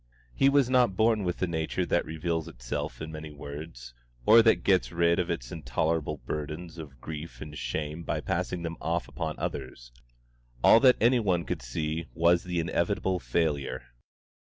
He was not born with the nature that reveals itself in many words, or that gets rid of its intolerable burdens of grief and shame by passing them off upon others. All that any one could see was the inevitable failure.